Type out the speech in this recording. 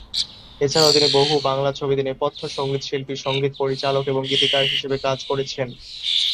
এছাড়াও তিনি বহু বাংলা ছবি-তে নেপথ্য সঙ্গীতশিল্পী, সঙ্গীত পরিচালক এবং গীতিকার হিসেবে কাজ করেছেন।